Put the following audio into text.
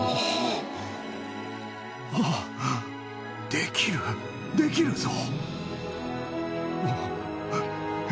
ああ、できる、できるぞ！